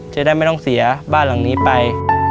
จะได้ไม่ต้องเสียบ้านหลังนี้ไป